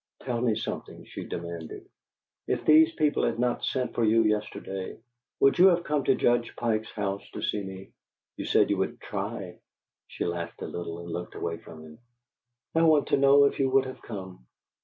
"Tell me something," she demanded. "If these people had not sent for you yesterday, would you have come to Judge Pike's house to see me? You said you would try." She laughed a little, and looked away from him. "I want to know if you would have come."